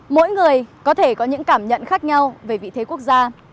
mỗi người có thể có những cảm nhận khác nhau về vị thế quốc gia